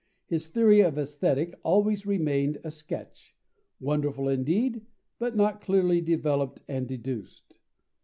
His theory of Aesthetic always remained a sketch: wonderful indeed, but not clearly developed and deduced.